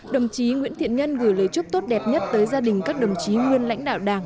đồng chí nguyễn thiện nhân gửi lời chúc tốt đẹp nhất tới gia đình các đồng chí nguyên lãnh đạo đảng